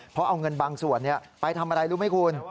เพราะเอาเงินบางส่วนไปทำอะไรรู้ไหมคุณ